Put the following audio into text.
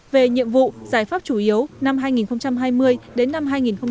về nhiệm vụ giải pháp chủ yếu năm hai nghìn hai mươi đến năm hai nghìn hai mươi năm